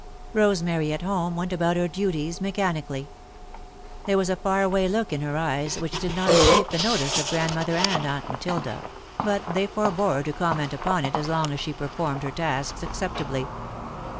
Rosemary, at home, went about her duties mechanically. There was a far away look in her eyes which did not escape the notice of Grandmother and Aunt Matilda, but they forebore to comment upon it as long as she performed her tasks acceptably.